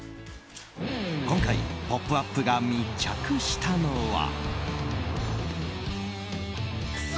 今回、「ポップＵＰ！」が密着したのは。